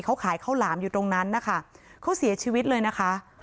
เขาขายข้าวหลามอยู่ตรงนั้นนะคะเขาเสียชีวิตเลยนะคะ